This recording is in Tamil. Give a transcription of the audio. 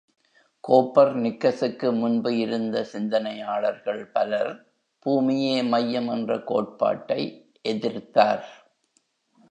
கோப்பர் நிக்கசுக்கு முன்பு இருந்த சிந்தனையாளர்கள் பலர், பூமியே மையம் என்ற கோட்பாட்டை எதிர்த்தார்.